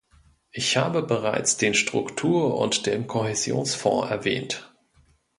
Ich habe bereits den Struktur- und den Kohäsionsfonds erwähnt.